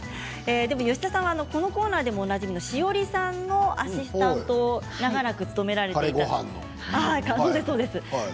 吉田さんはこのコーナーでもおなじみのＳＨＩＯＲＩさんのアシスタントを長らく務められていました。